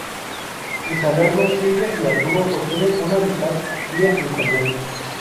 Sin saberlo, Silvia y Arturo sostienen una amistad vía internet.